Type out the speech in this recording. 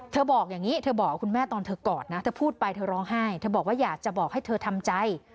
บอกอย่างนี้เธอบอกกับคุณแม่ตอนเธอกอดนะเธอพูดไปเธอร้องไห้เธอบอกว่าอยากจะบอกให้เธอทำใจ